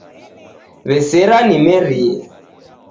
W'esera nimerie